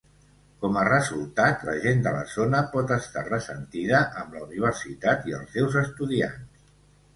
Com a resultat, la gent de la zona pot estar ressentida amb la universitat i els seus estudiants.